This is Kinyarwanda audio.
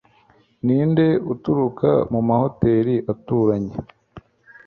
ninde uturuka mumahoteri aturanye